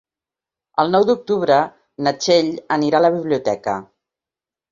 El nou d'octubre na Txell anirà a la biblioteca.